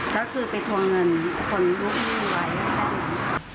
ก็คือไปทวงเงินคนลูกหนี้ไว้